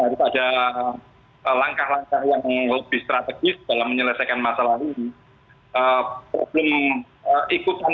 harus ada langkah langkah yang lebih strategis dalam menyelesaikan masalah ini problem ikutan